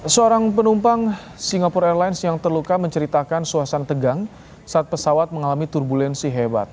seorang penumpang singapore airlines yang terluka menceritakan suasana tegang saat pesawat mengalami turbulensi hebat